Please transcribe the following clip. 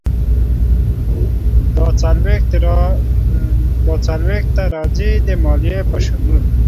دا څلویښت ته راځي، د مالیې په شمول.